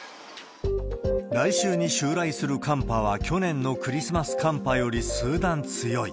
来週に襲来する寒波は、去年のクリスマス寒波より数段強い。